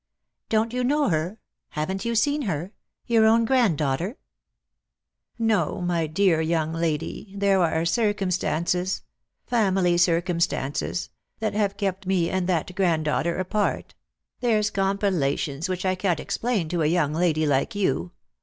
" Don't you know her ? haven't you seen her ? your own granddaughter !"" No, my dear young lady, there are circumstances — family circumstances — that have kept me and that granddaughter apart ; there's compilations which I can't explain to a young lady like you.